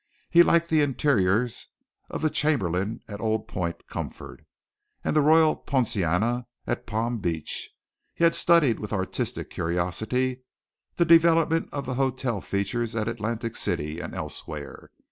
He liked the interiors of the Chamberlain at Old Point Comfort, and the Royal Ponciana at Palm Beach. He had studied with artistic curiosity the development of the hotel features at Atlantic City and elsewhere.